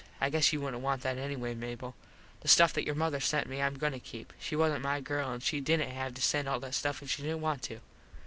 I guess you wouldnt want that anyway Mable. The stuff that your mother sent me Im going to keep. She wasnt my girl an she didnt have to send all that stuff if she didnt want to.